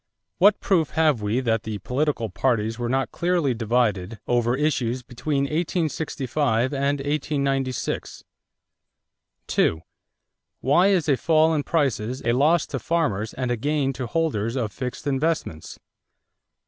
What proof have we that the political parties were not clearly divided over issues between 1865 and 1896? 2. Why is a fall in prices a loss to farmers and a gain to holders of fixed investments?